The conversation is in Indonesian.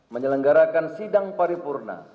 menyelenggarakan sidang paripurna